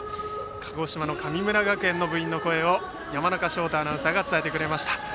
鹿児島の神村学園の部員の声を山中翔太アナウンサーが伝えてくれました。